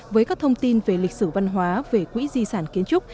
với các thông tin về lịch sử văn hóa về quỹ di sản kiến trúc